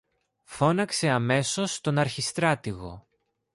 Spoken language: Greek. Φώναξε αμέσως τον αρχιστράτηγο